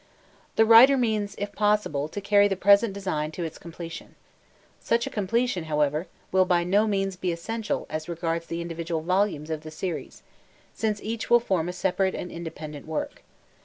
The writer means, if possible, to carry the present design to its completion. Such a completion, however, will by no means be essential as regards the individual volumes of the series, since each will form a separate and independent work.